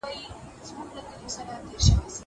زه مخکي مېوې وچولي وې!!